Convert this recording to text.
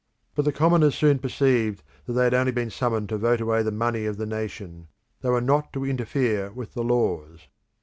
But the commoners soon perceived that they had only been summoned to vote away the money of the nation; they were not to interfere with the laws.